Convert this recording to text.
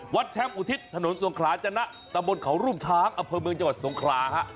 แชมป์อุทิศถนนสงขลาจนะตะบนเขารูปช้างอำเภอเมืองจังหวัดสงคราฮะ